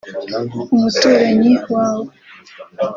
“Umuturanyi wawe